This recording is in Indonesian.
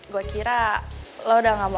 gue kira lo udah gak mau